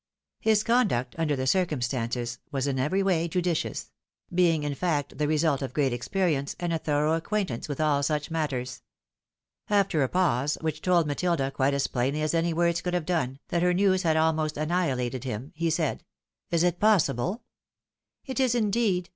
His conduct, under the circumstances, was iu every way judicious ; being, in fact, the result of great experience, and a thorough acquaintance with all such matters. After a pause, which told Matilda quite as plainly as any words could have done, that her news had almost annihilated him, he said, "Isitpssible?" " It is indeed !